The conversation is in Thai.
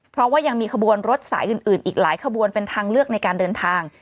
เพราะว่ายังมีขบวนรถสายอื่นอีกหลายขบวนเป็นทางเลือกในการเดินทาง